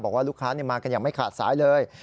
บอกว่าลูกค้ามากันอย่างไม่ขาดสายเลย